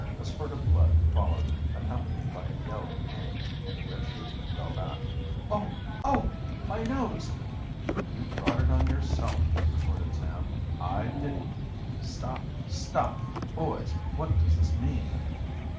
A spurt of blood followed, accompanied by a yell of pain, and the rich youth fell back. "Oh! oh! My nose!" "You brought it on yourself," retorted Sam. "I didn't " "Stop! stop! Boys, what does this mean?"